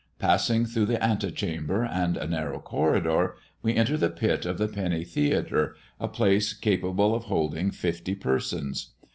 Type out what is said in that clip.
Passing through the ante chamber and a narrow corridor, we enter the pit of the penny theatre, a place capable of holding fifty persons.